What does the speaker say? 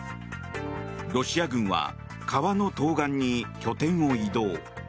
ロシア軍は川の東岸に拠点を移動。